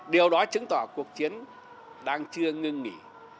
điều đó chứng tỏ cuộc chiến đang chưa ngưng nghỉ